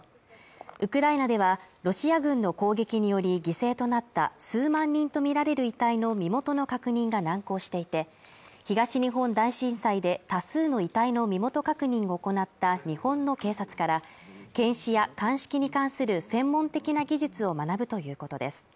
ウクライナでは、ロシア軍の攻撃により犠牲となった数万人とみられる遺体の身元の確認が難航していて、東日本大震災で多数の遺体の身元確認を行った日本の警察から検視や鑑識に関する専門的な技術を学ぶということです。